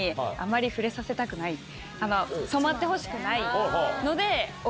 染まってほしくないので。